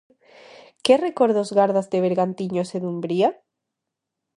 Que recordos gardas de Bergantiños e Dumbría?